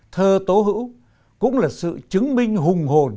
thơ tố hữu cũng là sự chứng minh hùng hồn